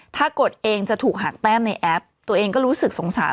ถ้ากดเองจะถูกหักแต้มในแอปตัวเองก็รู้สึกสงสาร